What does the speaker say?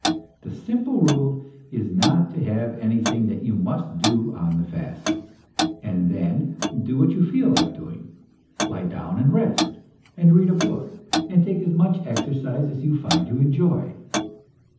The simple rule is not to have anything that you must do on the fast, and then do what you feel like doing. Lie down and rest, and read a book, and take as much exercise as you find you enjoy.